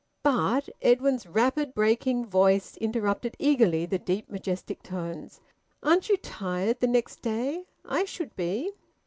"But" Edwin's rapid, breaking voice interrupted eagerly the deep majestic tones "aren't you tired the next day? I should be!"